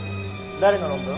誰の論文？